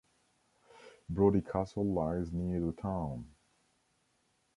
Brodie Castle lies near the town.